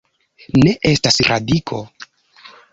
Ne estas radiko.